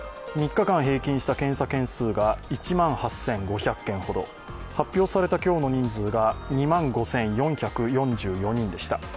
３日間天気した検査件数が１万８５００件ほど発表された今日の人数が２万５４４４人でした。